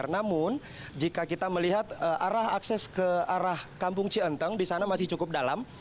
namun jika kita melihat arah akses ke arah kampung cienteng di sana masih cukup dalam